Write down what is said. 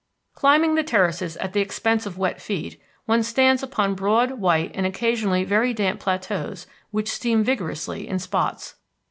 Climbing the terraces at the expense of wet feet, one stands upon broad, white, and occasionally very damp plateaus which steam vigorously in spots.